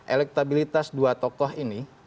elektabilitas dua tokoh ini